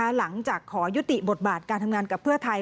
หลังจากขอยุติบทบาทการทำงานกับเพื่อไทย